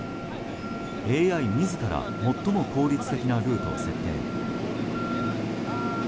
ＡＩ自ら最も効率的なルートを設定。